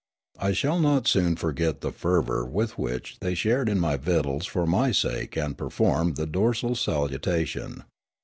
I shall not soon forget the fervour with which they shared in my victuals for my sake and performed the dorsal saluta tion.